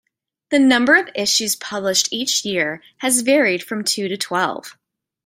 The number of issues published each year has varied from two to twelve.